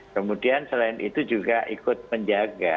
kemudian selain itu juga ikut menjaga